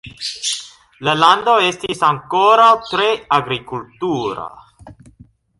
La lando estis ankoraŭ tre agrikultura.